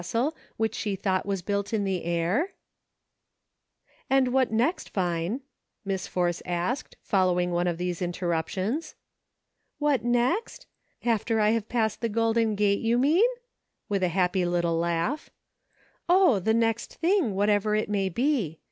stle which she thought was built in the air ?" 332 " THAT BEATS ME !"" And what next, Vine ?" Miss Force asked, following one of these interruptions. " What next ? After I have passed the golden gate, you mean ?" with a happy little laugh. " Oh ! the next thing, whatever it may be.